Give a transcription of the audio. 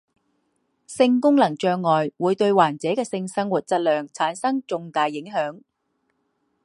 性功能障碍会对患者的性生活质量产生重大影响。